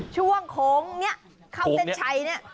ช่วงโค้งเนี่ยเข้าเส้นชัยเนี่ย